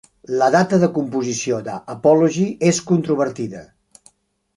La data de composició d'"Apology" és controvertida.